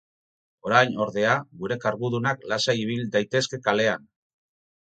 Orain, ordea, gure kargudunak lasai ibil daitezke kalean.